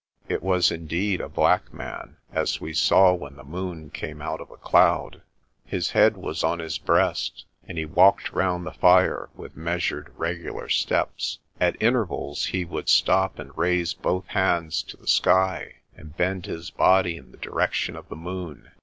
It was indeed a black man, as we saw when the moon came out of a cloud. His head was on his breast, and he MAN ON KIRKCAPLE SHORE 19 walked round the fire with measured, regular steps. At intervals he would stop and raise both hands to the sky, and bend his body in the direction of the moon.